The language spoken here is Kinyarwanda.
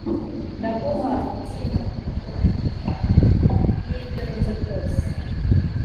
ndaguha umutima n'ibyo ntunze byose